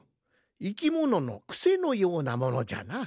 いきもののくせのようなものじゃな。